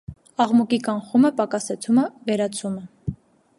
Աղմուկի կանխումը, պակասեցումը, վերացումը։